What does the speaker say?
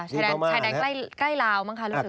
ชายแดนใกล้ลาวบ้างค่ะรู้สึก